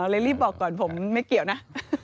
รีบบอกก่อนผมไม่เกี่ยวนะ